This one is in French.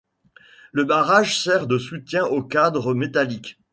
Le barrage sert de soutien au cadre métallique.